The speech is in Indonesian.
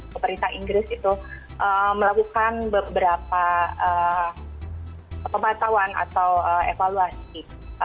pemerintah inggris itu melakukan beberapa pemantauan atau evaluasi